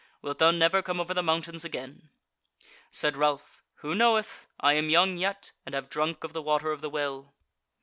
wilt thou never come over the mountains again?" Said Ralph: "Who knoweth? I am young yet, and have drunk of the Water of the Well."